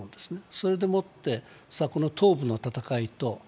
それでもって東部の戦いと